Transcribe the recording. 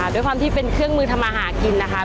ด้วยความที่เป็นเครื่องมือทำอาหารกินนะคะ